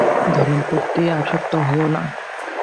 ধনের প্রতি আসক্ত হয়ো না।